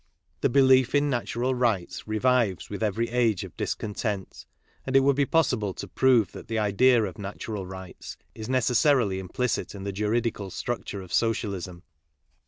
The belief in natural rights revives with every age of discontent, and it would be possible to prove that the idea of natural rights is necessarily implicit in the juridical structure' of Socialism.